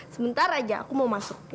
sebentar saja aku mau masuk ya